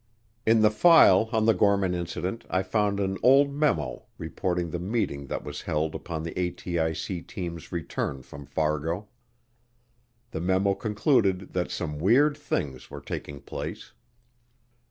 In the file on the Gorman Incident I found an old memo reporting the meeting that was held upon the ATIC team's return from Fargo. The memo concluded that some weird things were taking place.